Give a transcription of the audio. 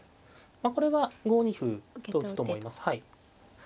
まあこれは５二歩と打つと思います。